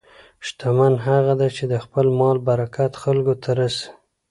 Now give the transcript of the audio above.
شتمن هغه دی چې د خپل مال برکت خلکو ته رسوي.